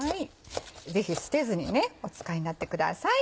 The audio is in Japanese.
ぜひ捨てずにお使いになってください。